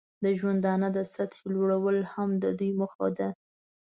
د ژوندانه د سطحې لوړول هم د دوی موخه ده.